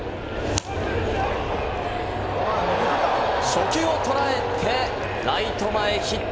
初球をとらえてライト前ヒット。